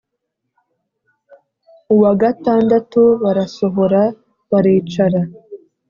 Uwa gatandatu barasohora baricara